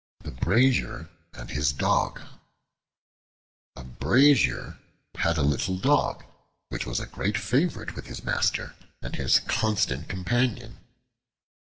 The Brazier and His Dog A BRAZIER had a little Dog, which was a great favorite with his master, and his constant companion.